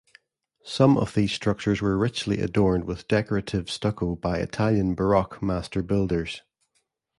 Some of these structures were richly adorned with decorative stucco by Italian baroque master-builders.